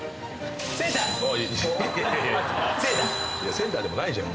センターでもないじゃん